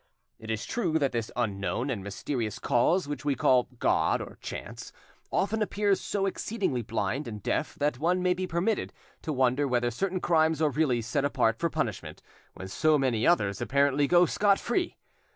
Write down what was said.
It is true that this unknown and mysterious Cause which we call "God" or "Chance" often appears so exceedingly blind and deaf that one may be permitted to wonder whether certain crimes are really set apart for punishment, when so many others apparently go scot free.